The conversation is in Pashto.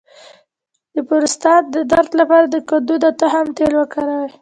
د پروستات د درد لپاره د کدو د تخم تېل وکاروئ